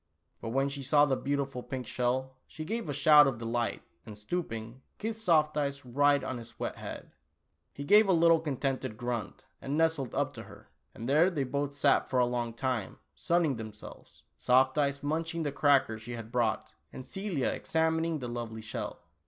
But when she saw the beautiful pink shell, she gave a shout of delight, and stooping, kissed Soft Eyes right on his wet head. He gave a little contented grunt, and nestled up to her, and there they both sat for a long time, sun ning themselves, Soft Eyes munching the cracker she had brought, and Celia examining the lovely shell.